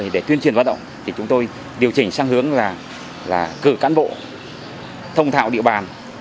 để tuyên truyền vận động thì chúng tôi điều chỉnh sang hướng là cử cán bộ thông thạo địa bàn